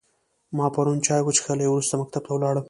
ما پرون چای وچیښلی او وروسته مکتب ته ولاړم